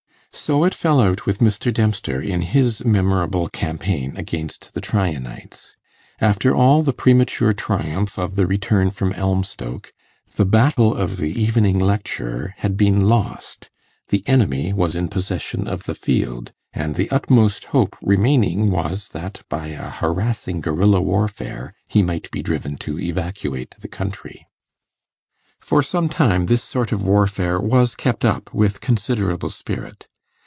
So it fell out with Mr. Dempster in his memorable campaign against the Tryanites. After all the premature triumph of the return from Elmstoke, the battle of the Evening Lecture had been lost; the enemy was in possession of the field; and the utmost hope remaining was, that by a harassing guerilla warfare he might be driven to evacuate the country. For some time this sort of warfare was kept up with considerable spirit.